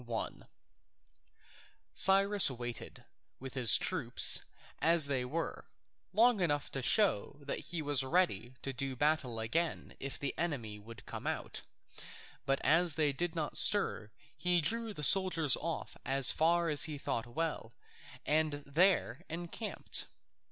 1] Cyrus waited, with his troops as they were, long enough to show that he was ready to do battle again if the enemy would come out; but as they did not stir he drew the soldiers off as far as he thought well, and there encamped.